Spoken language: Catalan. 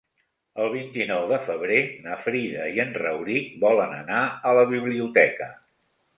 El vint-i-nou de febrer na Frida i en Rauric volen anar a la biblioteca.